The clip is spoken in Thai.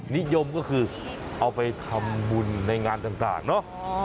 นิยมก็คือเอาไปทำบุญในงานต่างเนอะ